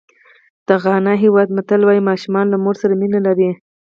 د غانا هېواد متل وایي ماشومان له مور سره مینه لري.